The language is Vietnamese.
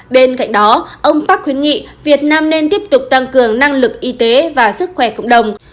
bên cạnh đó ông park khuyến nghị việt nam nên tiếp tục tăng cường năng lực y tế và sức khỏe cộng đồng